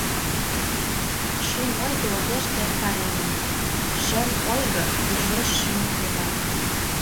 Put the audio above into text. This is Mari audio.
Шӱм ойго огеш керт паремын, Шем ойго туржеш шӱм-кылнам.